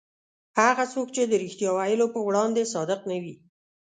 هغه څوک چې د رښتیا ویلو په وړاندې صادق نه وي.